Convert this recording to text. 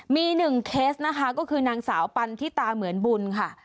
มีหนึ่งเคสนะคะก็คือนางสาวปันทิตาเหมือนบุญค่ะ